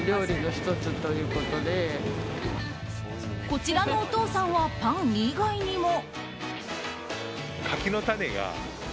こちらのお父さんはパン以外にも。